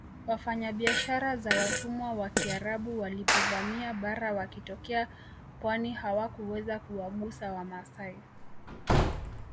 Wafanyabiashara za watumwa wa Kiarabu walipovamia bara wakitokea pwani hawakuweza kuwagusa wamasai